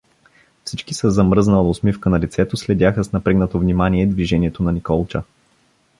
Всички със замръзнала усмивка на лицето следяха с напрегнато внимание движението на Николча.